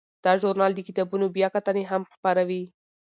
دا ژورنال د کتابونو بیاکتنې هم خپروي.